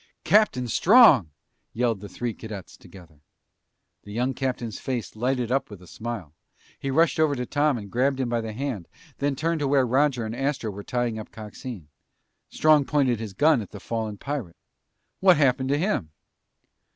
"Captain Strong!" yelled the three cadets together. The young captain's face lighted up with a smile. He rushed over to Tom and grabbed him by the hand, then turned to where Roger and Astro were tying up Coxine. Strong pointed his gun at the fallen pirate. "What happened to him?"